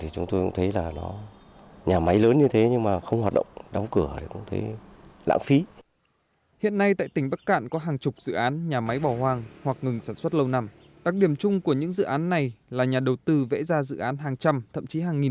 còn đây là nhà máy chế biến khoáng sản quy mô lớn ở xã cẩm giàng huyện bạch thông